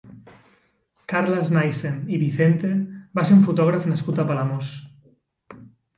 Carles Nyssen i Vicente va ser un fotògraf nascut a Palamós.